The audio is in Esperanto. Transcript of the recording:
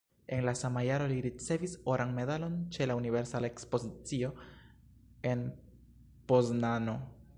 En la sama jaro li ricevis Oran Medalon ĉe la Universala Ekspozicio en Poznano.